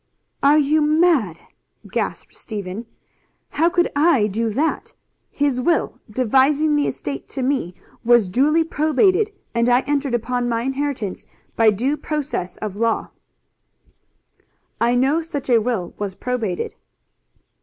"Are you mad?" gasped Stephen. "How could I do that? His will, devising the estate to me, was duly probated, and I entered upon my inheritance by due process of law." "I know such a will was probated."